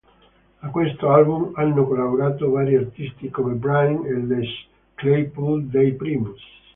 A questo album hanno collaborato vari artisti, come Brain e Les Claypool dei Primus.